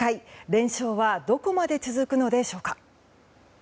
連勝はどこまで続くのでしょうか。